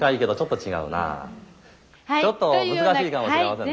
ちょっと難しいかもしれませんね。